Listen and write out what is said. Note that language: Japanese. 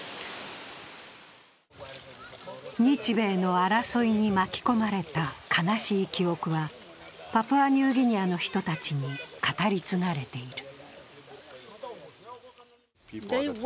日米の争いに巻き込まれた悲しい記憶はパプアニューギニアの人たちに語り継がれている。